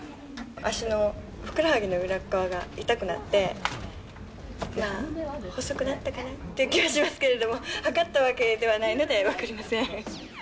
足のふくらはぎの裏っ側が痛くなって、細くなったかな？って気はしますけど、測ったわけではないので分かりません。